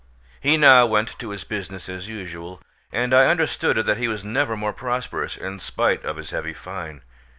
He now went to his business as usual; and I understood that he was never more prosperous, in spite of his heavy fine.